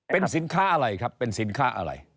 เป็นสินค้าอะไรครับเป็นสินค้าอะไร